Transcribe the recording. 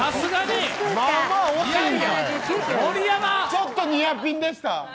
ちょっとニアピンでした。